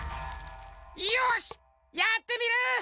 よしやってみる！